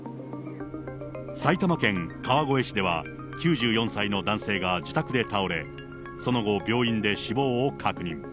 埼玉県川越市では、９４歳の男性が自宅で倒れ、その後、病院で死亡を確認。